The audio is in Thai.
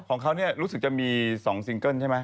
ของเขาเนี่ยรู้สึกจะมีสองซิงเกิ้ลใช่ไหม